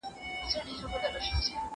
که تعلیم موخه وټاکي، هڅه بې پایلې نه کېږي.